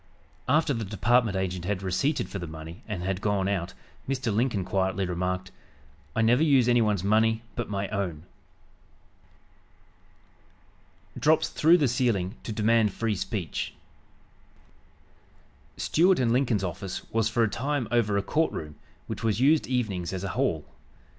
After the department agent had receipted for the money and had gone out, Mr. Lincoln quietly remarked: "I never use anyone's money but my own." DROPS THROUGH THE CEILING TO DEMAND FREE SPEECH Stuart & Lincoln's office was, for a time, over a court room, which was used evenings as a hall.